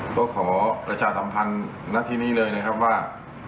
ก็ขอประชาสัมพันธ์ณที่นี้เลยนะครับว่า